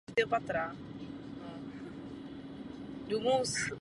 V této funkci vystřídal Jana Dvořáka.